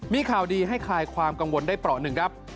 มีข่าวดีให้คลายความกังวลได้เปราะหนึ่งครับ